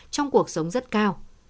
trong cuộc sống rất cao